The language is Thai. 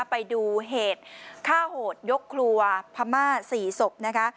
ไปดูเหตุฆ่าโหดยกครัวพม่า๔ศพนะคะ